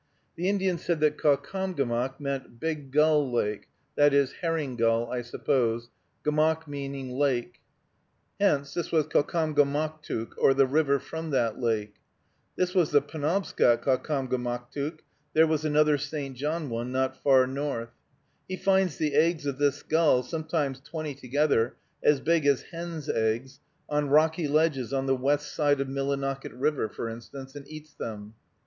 The Indian said that Caucomgomoc meant Big Gull Lake (i. e., herring gull, I suppose), gomoc meaning lake. Hence this was Caucomgomoctook, or the river from that lake. This was the Penobscot Caucomgomoctook; there was another St. John one not far north. He finds the eggs of this gull, sometimes twenty together, as big as hen's eggs, on rocky ledges on the west side of Millinocket River, for instance, and eats them.